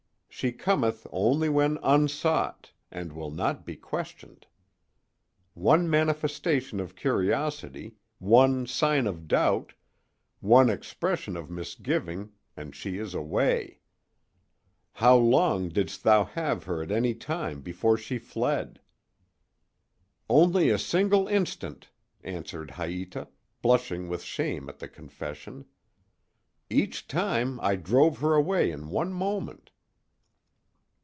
She cometh only when unsought, and will not be questioned. One manifestation of curiosity, one sign of doubt, one expression of misgiving, and she is away! How long didst thou have her at any time before she fled?" "Only a single instant," answered Haïta, blushing with shame at the confession. "Each time I drove her away in one moment."